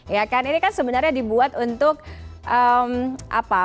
ya kan ini kan sebenarnya dibuat untuk apa